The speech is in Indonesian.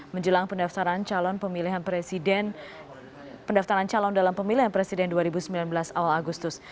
menjelang pendaftaran calon dalam pemilihan presiden dua ribu sembilan belas awal agustus